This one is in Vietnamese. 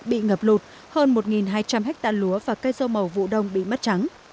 bị ngập lụt hơn một hai trăm linh hectare lúa và cây dâu màu vụ đông bị mất trắng